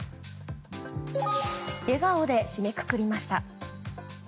笑顔で締めくくりました。